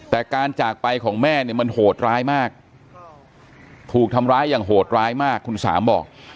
แต่การจากไปของแม่เนี่ยมันโหดร้ายมากถูกทำร้ายอย่างโหดร้ายมากคุณสามบอก